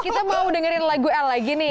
kita mau dengerin lagu l lagi nih